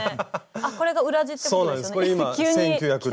あっこれが裏地ってことですよね？